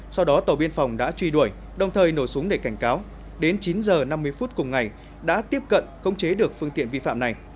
sau đó tàu biên phòng đã truy đuổi đồng thời nổ súng để cảnh cáo đến chín h năm mươi phút cùng ngày đã tiếp cận khống chế được phương tiện vi phạm này